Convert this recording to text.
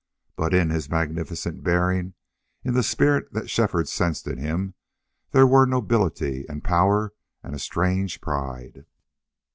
But in his magnificent bearing, in the spirit that Shefford sensed in him, there were nobility and power and a strange pride.